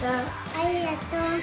ありがとう。